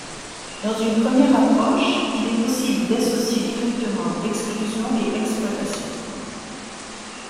Dans une première approche, il est possible d'associer directement exclusion et exploitation.